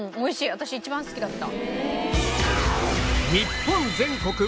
私一番好きだった。